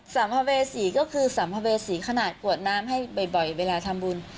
สัมภเวษีก็คือสัมภเวษีขนาดกวดน้ำให้บ่อยเวลาทำบุญ